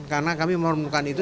karena kami menghormatkan itu